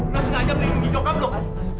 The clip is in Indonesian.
lo sengaja melindungi nyokap lo kan